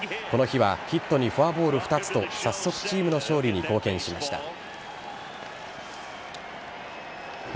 この日はヒットにフォアボール２つと早速チームの勝利に貢献しました。